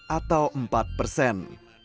atau empat persen